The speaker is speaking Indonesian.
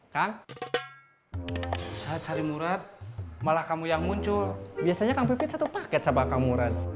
kan saya cari murad malah kamu yang muncul biasanya kamu satu paket sabar kamu rad